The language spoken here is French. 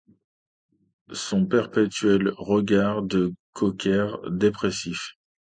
son perpétuel regard de cocker dépressif.